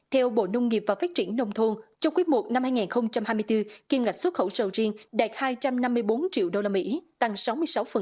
theo bộ nông nghiệp và phát triển nông thôn trong quyết mục năm hai nghìn hai mươi bốn kiêm ngạch xuất khẩu sầu riêng đạt hai trăm năm mươi bốn triệu đô la mỹ tăng sáu mươi sáu so với cùng kỳ năm hai nghìn hai mươi ba